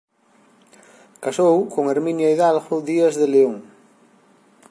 Casou con Herminia Hidalgo Díaz de Léon.